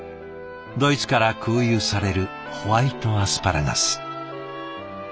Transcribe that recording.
ドイツから空輸されるホワイトアスパラガス。